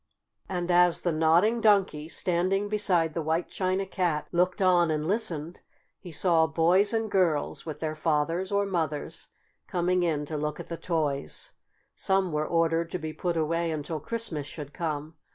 And as the Nodding Donkey, standing beside the white China Cat, looked on and listened, he saw boys and girls, with their fathers or mothers, coming in to look at the toys. Some were ordered to be put away until Christmas should come.